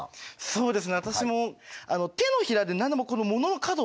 そうです。